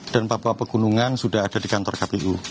dan papua pegunungan sudah ada di kantor kpu